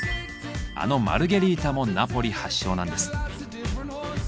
あのマルゲリータもナポリ発祥なんです。